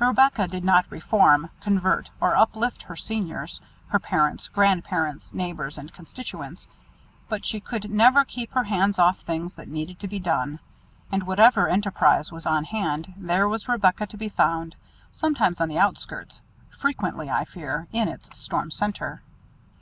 Rebecca did not reform, convert or uplift her seniors, her parents, grandparents, neighbors and constituents, but she could never keep her hands off things that needed to be done, and whatever enterprise was on hand there was Rebecca to be found sometimes on the outskirts, frequently, I fear, in its storm centre.